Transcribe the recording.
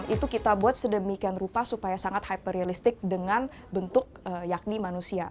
itu kita buat sedemikian rupa supaya sangat hyperealistik dengan bentuk yakni manusia